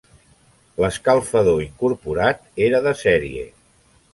L'escalfador incorporat era de sèrie.